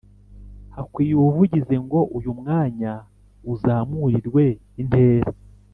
Hakwiye ubuvugizi ngo uyu mwanya uzamurirwe intera .